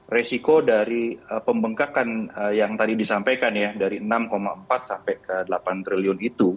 resiko dari pembengkakan yang tadi disampaikan ya dari enam empat sampai ke delapan triliun itu